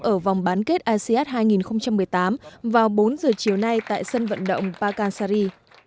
ở vòng bán kết asean hai nghìn một mươi tám vào bốn giờ chiều nay tại sân vận động pakanseri